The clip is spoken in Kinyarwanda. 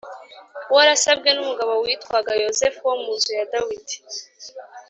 Warasabwe n umugabo witwaga yozefu wo mu nzu ya dawidi